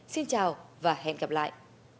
xin chào và hẹn gặp lại